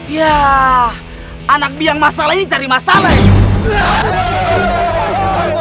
ya anak biang masalah ini cari masalah ya